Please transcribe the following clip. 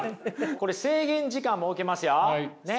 これ制限時間設けますよ。